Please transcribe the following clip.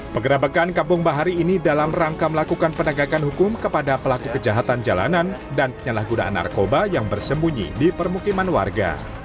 penggerabakan kampung bahari ini dalam rangka melakukan penegakan hukum kepada pelaku kejahatan jalanan dan penyalahgunaan narkoba yang bersembunyi di permukiman warga